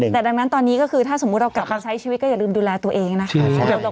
แต่ดังนั้นตอนนี้ก็คือถ้าสมมุติเรากลับมาใช้ชีวิตก็อย่าลืมดูแลตัวเองนะคะ